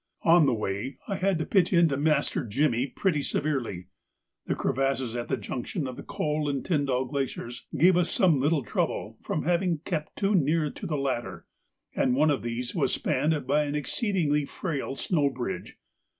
On the way I had to pitch into Master Jimmy pretty severely; the crevasses at the junction of the Coal and Tyndall Glaciers gave us some little trouble from having kept too near to the latter, and one of these was spanned by an exceedingly frail snow bridge.